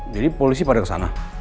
jadi polisi pada kesana